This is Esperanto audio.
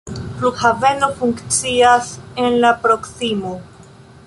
Flughaveno funkcias en la proksimo.